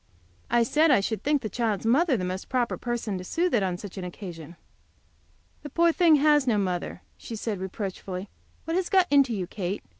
I said I should think the child's mother the most proper person to soothe it on such an occasion. "The poor thing has no mother," she said, reproachfully. "What has got into you, Kate?